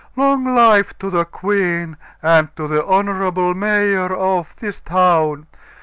Long life to the queen and to the honorable mayor of this town!